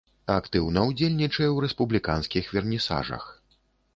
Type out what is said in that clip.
Актыўна ўдзельнічае ў рэспубліканскіх вернісажах.